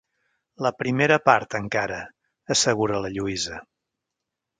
La primera part encara —assegura la Lluïsa—.